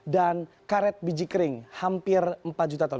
dan karet biji kering hampir empat juta ton